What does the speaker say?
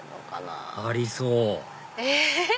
ありそうえっ？